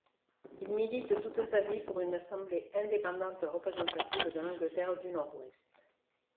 Il milite toute sa vie pour une assemblée indépendante représentative de l'Angleterre du Nord-Ouest.